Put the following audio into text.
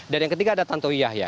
dan yang ketiga ada tanto yahya